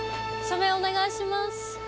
署名お願いします。